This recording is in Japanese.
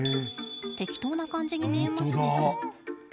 適当な感じに見えますです。